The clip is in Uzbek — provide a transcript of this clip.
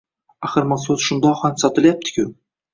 Axir, mahsulot shundoq ham sotilyapti-ku!